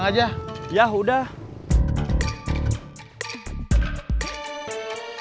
nggak mau durai hidup di kamera dulu